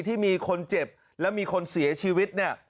ที่มีคนเจ็บและมีคนเสียชีวิตเนี่ย